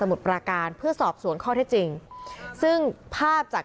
มีกล้วยติดอยู่ใต้ท้องเดี๋ยวพี่ขอบคุณ